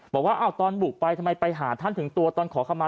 บอกว่าตอนบุกไปทำไมไปหาท่านถึงตัวตอนขอเข้ามา